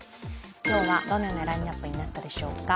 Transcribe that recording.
今日はどのようなラインナップになったでしょうか。